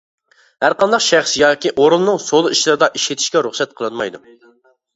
ھەرقانداق شەخس ياكى ئورۇننىڭ سودا ئىشلىرىدا ئىشلىتىشىگە رۇخسەت قىلىنمايدۇ!